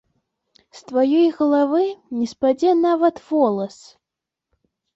З тваёй галавы не спадзе нават волас.